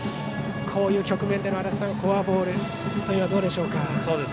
こういう局面での足達さん、フォアボールはどうでしょうか。